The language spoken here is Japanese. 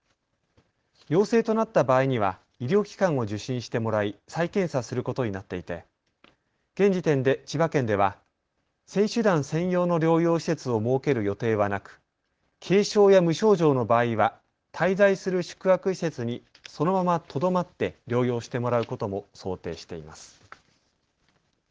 陽性となった場合には医療機関を受診してもらい再検査することになっていて現時点で千葉県では選手団専用の療養施設を設ける予定はなく軽症や無症状の場合は滞在する宿泊施設にそのままとどまって療養してもらうことも想定しています。